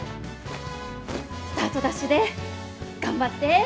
スタートダッシュで頑張って。